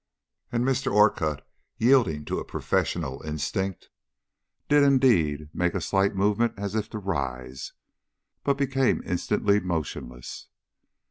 And Mr. Orcutt, yielding to professional instinct, did indeed make a slight movement as if to rise, but became instantly motionless.